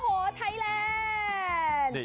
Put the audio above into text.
โอ้โหไทยแลนด์